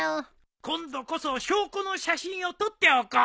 今度こそ証拠の写真を撮っておこう。